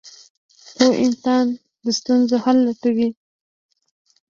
• پوه انسان د ستونزو حل لټوي.